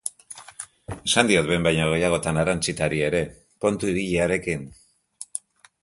Esan diot behin baino gehiagotan Arantxitari ere, kontu ibili harekin!